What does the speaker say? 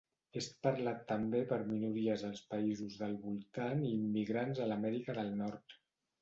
És parlat també per minories als països del voltant i immigrants a l'Amèrica del Nord.